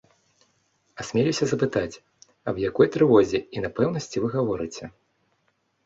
Асмелюся запытаць, аб якой трывозе і няпэўнасці вы гаворыце?